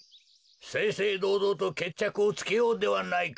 せいせいどうどうとけっちゃくをつけようではないか。